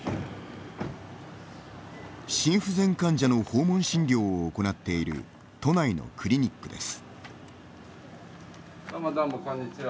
心不全患者の訪問診療を行っている都内のクリニックです。